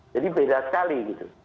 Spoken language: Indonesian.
jadi beda sekali